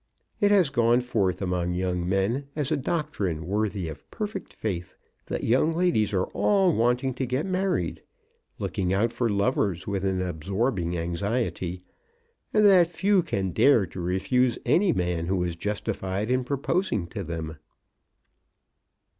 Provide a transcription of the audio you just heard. It has gone forth among young men as a doctrine worthy of perfect faith, that young ladies are all wanting to get married, looking out for lovers with an absorbing anxiety, and that few can dare to refuse any man who is justified in proposing to them.